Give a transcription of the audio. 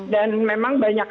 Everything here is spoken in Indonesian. dan memang banyak